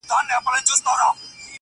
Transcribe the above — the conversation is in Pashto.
• ملا جان مي د خوبونو تعبیر کښلی -